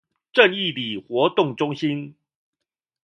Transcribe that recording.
正義里活動中心